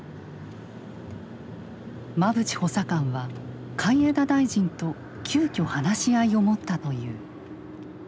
馬淵補佐官は海江田大臣と急きょ話し合いを持ったという。